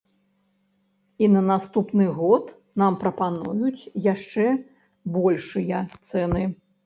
І на наступны год нам прапануюць яшчэ большыя цэны.